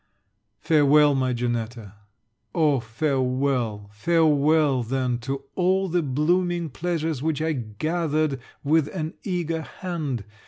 Farewel, my Janetta! Oh farewel, farewel, then, to all the blooming pleasures which I gathered with an eager hand!